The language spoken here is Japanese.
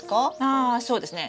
ああそうですね。